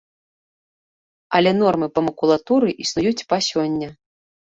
Але нормы па макулатуры існуюць па сёння.